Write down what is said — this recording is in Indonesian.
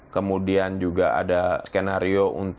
kemudian juga ada skenario